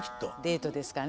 デートですかね。